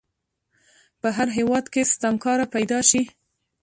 په هر هیواد کې ستمکاره پیداشي.